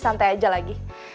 santai aja lagi